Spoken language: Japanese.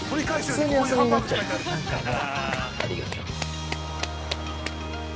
◆ありがとう。